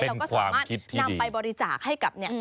เป็นความคิดที่ดีเราก็สามารถนำไปบริจาคให้กับ